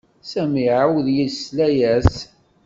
Sami iɛawed yesla-as.